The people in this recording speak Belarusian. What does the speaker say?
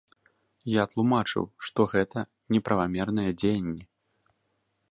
Я тлумачыў, што гэта неправамерныя дзеянні!